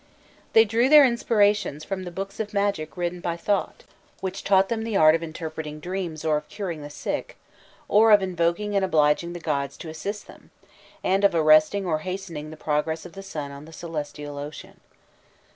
They drew their inspirations from the books of magic written by Thot, which taught them the art of interpreting dreams or of curing the sick, or of invoking and obliging the gods to assist them, and of arresting or hastening the progress of the sun on the celestial ocean.